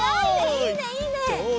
いいねいいね！